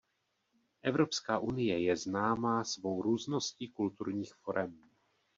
Evropská unie je známá svou růzností kulturních forem.